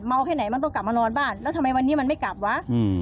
แค่ไหนมันต้องกลับมานอนบ้านแล้วทำไมวันนี้มันไม่กลับวะ